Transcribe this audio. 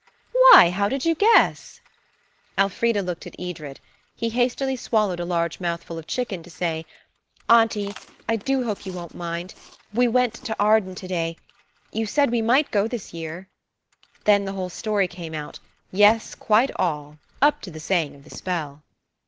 "Why, how did you guess?" Elfrida looked at Edred. He hastily swallowed a large mouthful of chicken to say, "Auntie, I do hope you won't mind. We went to Arden to day. You said we might go this year." Then the whole story came out–yes, quite all, up to the saying of the spell.